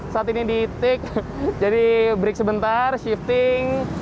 saat ini di take jadi break sebentar shifting